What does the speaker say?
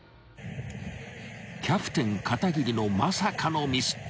［キャプテン片桐のまさかのミス］